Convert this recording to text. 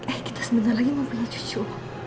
eh kita sebentar lagi mau punya cucu